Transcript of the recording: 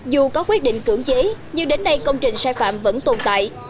dù có quyết định cưỡng chế nhưng đến nay công trình sai phạm vẫn tồn tại